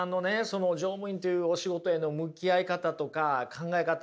その乗務員というお仕事への向き合い方とか考え方